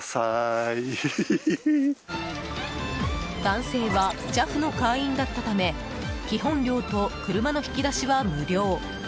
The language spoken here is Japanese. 男性はＪＡＦの会員だったため基本料と車の引き出しは、無料。